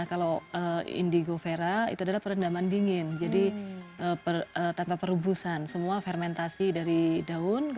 kalau indigo vera itu adalah perendaman dingin jadi tanpa perubusan semua fermentasi dari daun